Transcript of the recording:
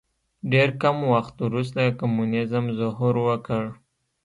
ډېر کم وخت وروسته کمونیزم ظهور وکړ.